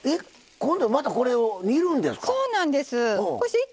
またこれを煮るんですか？